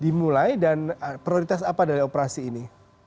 dimulai dan prioritas apa dari operasi ini